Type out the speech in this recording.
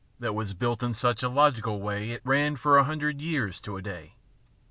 That was built in such a logical way, It ran a hundred years to a day.